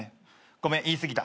ごめん言い過ぎた。